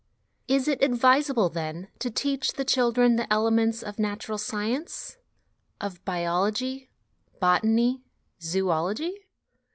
Is it advisable, then, to teach the children the elements of natural science, of biology, botany, zoology